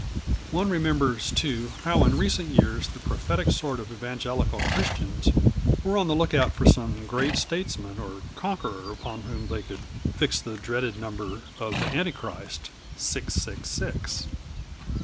One remembers, too, how in recent years the prophetic sort of evangelical Christians were on the look out for some great statesman or conqueror upon whom they could fix the dreaded number of the Antichrist, 666.